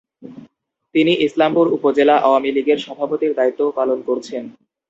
তিনি ইসলামপুর উপজেলা আওয়ামী লীগের সভাপতির দায়িত্বও পালন করছেন।